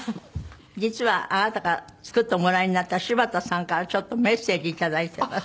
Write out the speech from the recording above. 実はあなたから作っておもらいになった柴田さんからちょっとメッセージ頂いてます。